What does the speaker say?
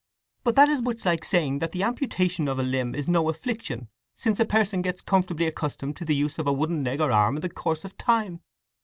But that is much like saying that the amputation of a limb is no affliction, since a person gets comfortably accustomed to the use of a wooden leg or arm in the course of time!"